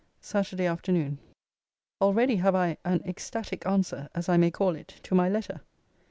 ] SATURDAY AFTERNOON. Already have I an ecstatic answer, as I may call it, to my letter.